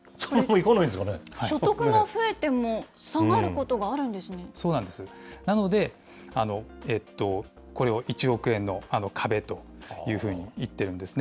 所得が増えても下がることがなので、これを１億円の壁というふうに言っているんですね。